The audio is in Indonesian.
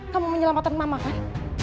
kamu menyelamatkan mamah kan